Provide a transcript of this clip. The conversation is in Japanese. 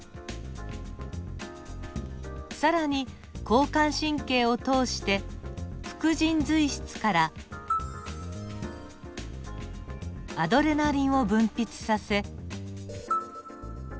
更に交感神経を通して副腎髄質からアドレナリンを分泌させ。